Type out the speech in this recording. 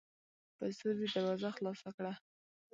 په زور یې دروازه خلاصه کړه